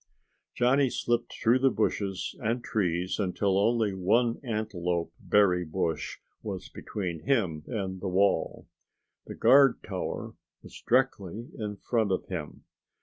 Johnny slipped through the bushes and trees until only one antelope berry bush was between him and the wall. The guard tower was directly in front of him.